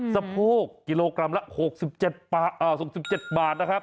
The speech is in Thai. สะโพกกิโลกรัมละ๖๗บาท